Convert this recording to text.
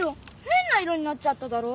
へんな色になっちゃっただろ！